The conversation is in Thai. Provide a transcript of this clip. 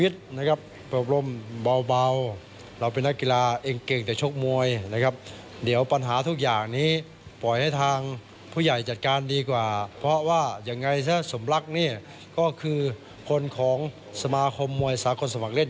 ทางนี้ปล่อยให้ทางผู้ใหญ่จัดการดีกว่าเพราะว่าอย่างไงซะสมรักเนี่ยก็คือคนของสมาคมมวยสาคมสมัครเล่น